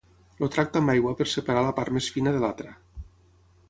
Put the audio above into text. El tracta amb aigua per separar la part més fina de l'altra.